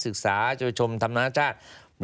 ศึกษาช่วยชมธรรมนาฏชายักษ์